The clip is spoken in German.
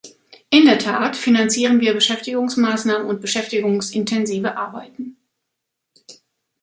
In der Tat finanzieren wir Beschäftigungsmaßnahmen und beschäftigungsintensive Arbeiten.